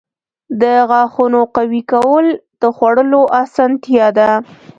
• د غاښونو قوي کول د خوړلو اسانتیا ده.